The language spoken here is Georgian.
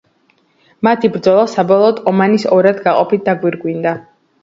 მათი ბრძოლა საბოლოოდ ომანის ორად გაყოფით დაგვირგვინდა.